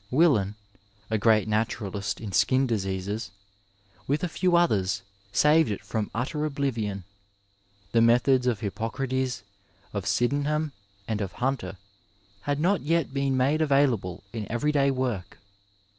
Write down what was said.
Willan (a great naturalist in skin diseases) with a few others saved it from utter oblivion. The methods of Hippocrates, of Sydenham, and of Hunter had not yet been made available in everyday work.